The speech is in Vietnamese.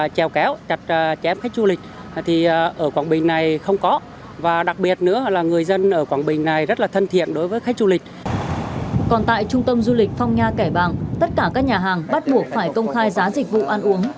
còn tại trung tâm du lịch phong nha kẻ bàng tất cả các nhà hàng bắt buộc phải công khai giá dịch vụ ăn uống